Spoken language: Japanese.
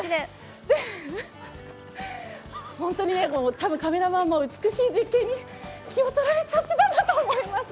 本当に、カメラマンも美しい絶景に気を取られちゃってたんだと思います。